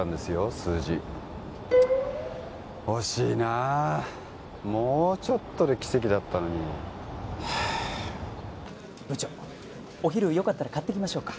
数字惜しいなもうちょっとで奇跡だったのにはあ部長お昼よかったら買ってきましょうか？